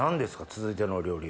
続いてのお料理。